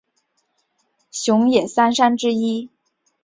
熊野三山之一。